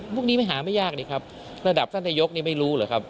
พวกนี้ไม่หาไม่ยากนี่ครับระดับท่านนายกนี่ไม่รู้เหรอครับ